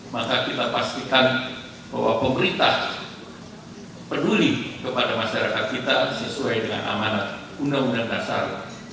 maka kita pastikan bahwa pemerintah peduli kepada masyarakat kita sesuai dengan amanat undang undang dasar